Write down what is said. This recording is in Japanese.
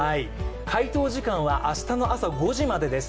回答時間は明日の朝５時までです。